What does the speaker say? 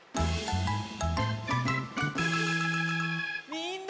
みんな！